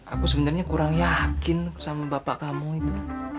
aku sebenarnya kurang yakin sama bapak kamu itu